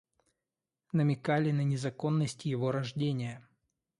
Намекали на незаконность его рождения.